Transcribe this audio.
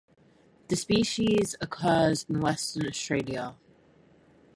The species occurs in Western Australia.